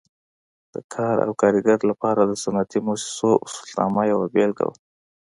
د کار او کارګر لپاره د صنعتي مؤسسو اصولنامه یوه بېلګه وه.